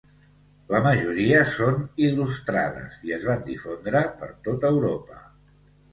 La majoria són il·lustrades, i es van difondre per tot Europa.